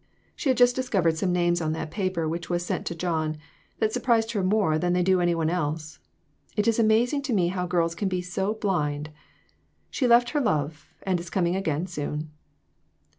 She has just discovered some names on that paper which was sent to John that sur prise her more than they do any one else. It is amazing to me how girls can be so blind ! She left her love, and is coming again soon."